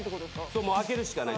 そうもう開けるしかない。